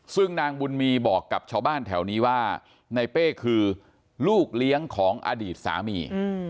ซึ่งนางบุญมีบอกกับชาวบ้านแถวนี้ว่าในเป้คือลูกเลี้ยงของอดีตสามี